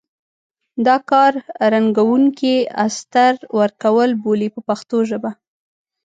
دا کار رنګوونکي استر ورکول بولي په پښتو ژبه.